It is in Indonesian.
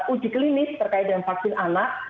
uji klinis terkait dengan vaksin anak